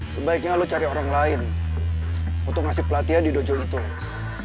sebaiknya lo cari orang lain untuk ngasih pelatihan di dojo itu